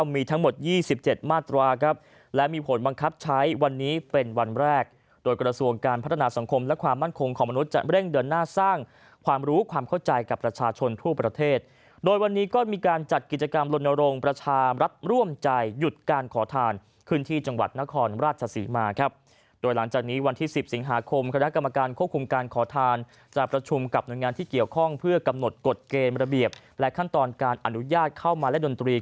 ๑๕๙มีทั้งหมด๒๗มาตรวาครับและมีผลบังคับใช้วันนี้เป็นวันแรกโดยกระทรวงการพัฒนาสังคมและความมั่นคงของมนุษย์จะเร่งเดินหน้าสร้างความรู้ความเข้าใจกับประชาชนทั่วประเทศโดยวันนี้ก็มีการจัดกิจกรรมลนโรงประชารับร่วมใจหยุดการขอทานขึ้นที่จังหวัดนครราชสีมาครับโดยหลังจากนี้วันที่